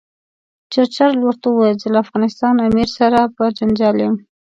چرچل ورته وویل زه له افغانستان امیر سره په جنجال یم.